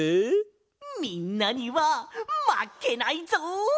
みんなにはまけないぞ！